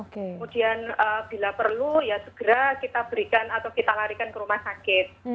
kemudian bila perlu ya segera kita berikan atau kita larikan ke rumah sakit